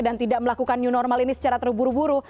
dan tidak melakukan new normal ini secara terburu buru